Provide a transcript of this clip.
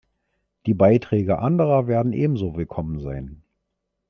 Die Beiträge anderer werden ebenso willkommen sein.